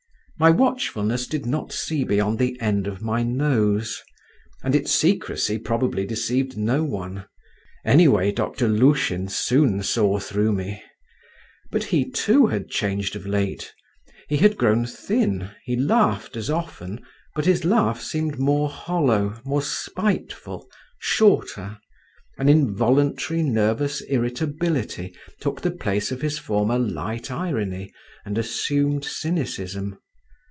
My watchfulness did not see beyond the end of my nose, and its secrecy probably deceived no one; any way, Doctor Lushin soon saw through me. But he, too, had changed of late; he had grown thin, he laughed as often, but his laugh seemed more hollow, more spiteful, shorter, an involuntary nervous irritability took the place of his former light irony and assumed cynicism.